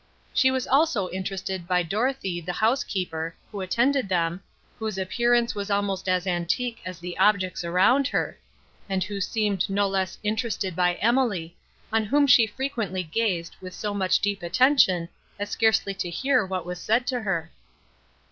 She was also interested by Dorothée the housekeeper, who attended them, whose appearance was almost as antique as the objects around her, and who seemed no less interested by Emily, on whom she frequently gazed with so much deep attention, as scarcely to hear what was said to her.